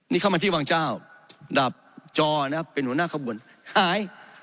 นี่เข้ามาที่วังเจ้าดับจอนะครับเป็นหัวหน้าขบวนหาย